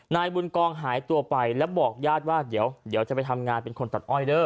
นายบุญกองหายตัวไปแล้วบอกญาติว่าเดี๋ยวจะไปทำงานเป็นคนตัดอ้อยเด้อ